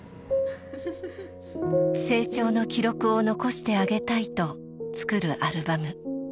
成長の記録を残してあげたいと作るアルバム。